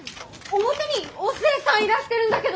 表にお寿恵さんいらしてるんだけど！